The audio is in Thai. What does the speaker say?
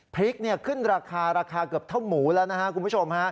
พริกขึ้นราคาราคาเกือบเท่าหมูแล้วนะครับคุณผู้ชมฮะ